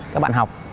các bạn học